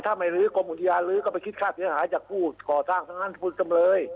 ถ้าไม่ลื้อกลมอุญญาณลื้อก็ไปคิดฆ่าเสียหายจากผู้ก่อสร้างทางนั้น